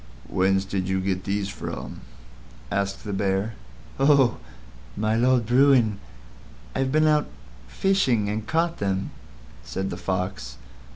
"Whence did you get these from?" asked the Bear. "Oh! My Lord Bruin, I've been out fishing and caught them," said the Fox.